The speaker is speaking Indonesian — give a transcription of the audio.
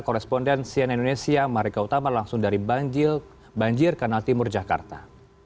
koresponden sian indonesia marika utama langsung dari banjir banjir kanal timur jakarta